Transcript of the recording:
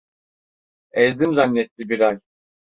Ezdim zannetti bir ay.